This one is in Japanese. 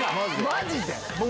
マジで？